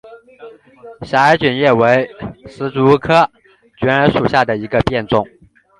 狭叶卷耳为石竹科卷耳属下的一个变种。